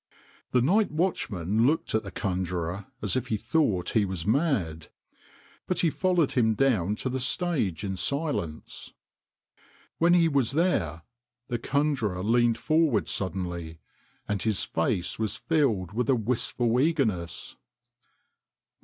The night watchman looked at the conjurer as if he thought he was mad, but he followed him down to the stage in silence. When he was there the conjurer leaned forward sud denly, and his face was filled with a wistful eagerness.